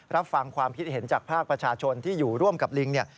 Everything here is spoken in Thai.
รับฟังความคิดเห็นจากภาคประชาชนที่อยู่ร่วมกับลิงเนี่ย